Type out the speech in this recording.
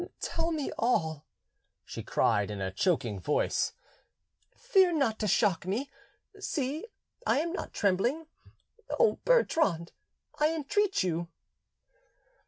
"Tell me all," she cried in a choking voice; "fear not to shock me; see, I am not trembling. O Bertrand, I entreat you!"